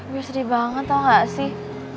gue sedih banget tau nggak sih